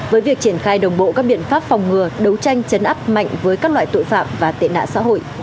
với việc triển khai đồng bộ các biện pháp phòng ngừa đấu tranh chấn áp mạnh với các loại tội phạm và tệ nạn xã hội